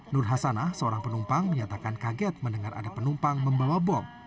nur hasanah seorang penumpang menyatakan kaget mendengar ada penumpang membawa bom